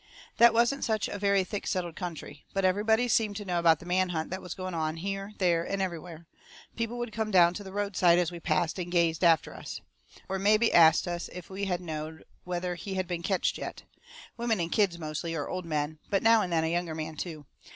That wasn't such a very thick settled country. But everybody seemed to know about the manhunt that was going on, here, there, and everywhere. People would come down to the road side as we passed, and gaze after us. Or mebby ast us if we knowed whether he had been ketched yet. Women and kids mostly, or old men, but now and then a younger man too.